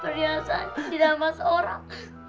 perhiasan dirampas orang